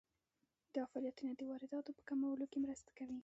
دا فعالیتونه د وارداتو په کمولو کې مرسته کوي.